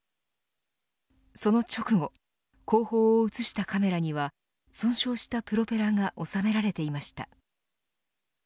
その直後、後方を映したカメラには損傷したプロペラが収められていました。